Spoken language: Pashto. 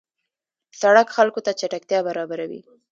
سړک خلکو ته چټکتیا برابروي.